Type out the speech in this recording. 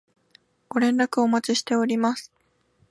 ご連絡お待ちしております